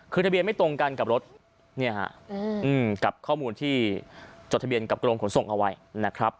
คือทะเบียนไม่ตรงกันกับรถกับข้อมูลที่จดทะเบียนกับกรมขนส่งเอาไว้นะครับ